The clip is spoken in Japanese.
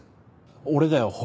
俺だよ堀。